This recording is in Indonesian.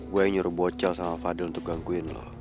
gue yang nyuruh bocel sama fadil untuk gangguin lo